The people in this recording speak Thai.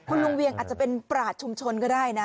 คุณลุงเวียงอาจจะเป็นปราชชุมชนก็ได้นะ